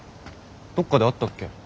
どっかで会ったっけ？